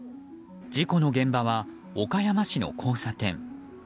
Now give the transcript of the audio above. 事故の現場は岡山市の交差点。